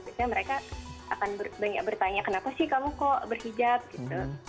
biasanya mereka akan banyak bertanya kenapa sih kamu kok berhijab gitu